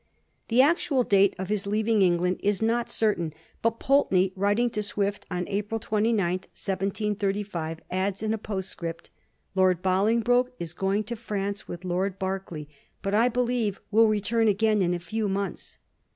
The actual date of his leaving England is not cer tain, but Pulteney, writing to Swift on April 29, 1735, adds in a postscript: ^^Lord Bolingbroke is going to France with Lord Berkeley, but, I believe, will return again in a few months.'